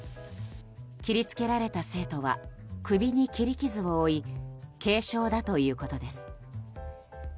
切りつけられた生徒は首に切り傷を負い軽傷だということです。